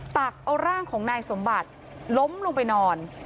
ตักเอาร่างของนายสมบัติล้มลงไปนอน